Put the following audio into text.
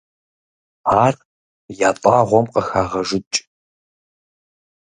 Ар ятӀагъуэм къыхагъэжыкӀ.